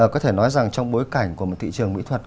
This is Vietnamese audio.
có thể nói rằng trong bối cảnh của một thị trường mỹ thuật